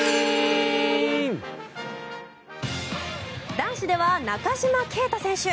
男子では中島啓太選手。